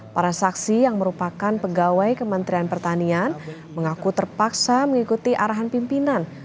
para saksi yang merupakan pegawai kementerian pertanian mengaku terpaksa mengikuti arahan pimpinan